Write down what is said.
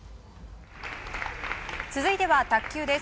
続いては卓球です。